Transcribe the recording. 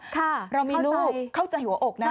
ค่ะเข้าใจหัวอกนะ